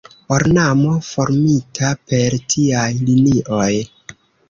Ornamo formita per tiaj linioj.